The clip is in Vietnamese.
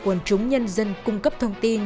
quân chúng nhân dân cung cấp thông tin